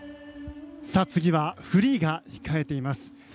次はフリーが控えています。